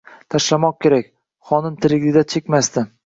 Tashlamoq kerak. Xonim tirikligida chekmasdi.